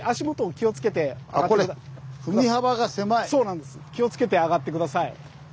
気をつけて上がって下さい。